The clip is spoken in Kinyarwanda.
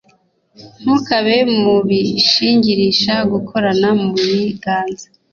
Ntukabe mu b shingirisha gukorana mu biganza